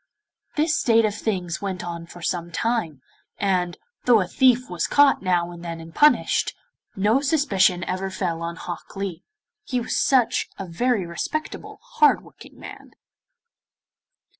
This state of things went on for some time, and, though a thief was caught now and then and punished, no suspicion ever fell on Hok Lee, he was such a very respectable, hard working man.